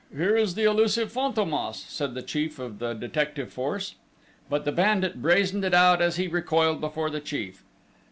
Here is the elusive Fantômas!" said the chief of the detective force. But the bandit brazened it out as he recoiled before the chief.